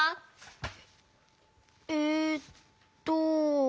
えっと。